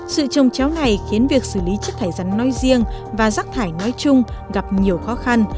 sự trồng chéo này khiến việc xử lý chất thải rắn nói riêng và rắc thải nói chung gặp nhiều khó khăn